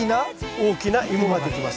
大きなイモができます。